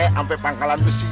sampai pangkalan besi